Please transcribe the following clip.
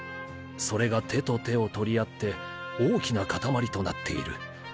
それが手と手を取り合って大きなかたまりとなっている